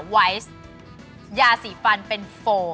ไวส์ยาสีฟันเป็นโฟ